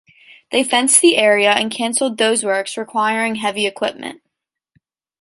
They fenced the area and canceled those works requiring heavy equipment.